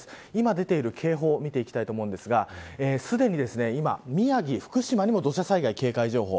今、出ている警報見ていきたいと思うんですがすでに今、宮城、福島にも土砂災害警戒情報。